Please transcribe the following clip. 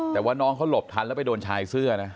แต่ว่าน้องเขาหลบทันแล้วไปโดนชายเสื้อนะ